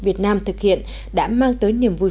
việt nam thực hiện đã mang tới niềm vui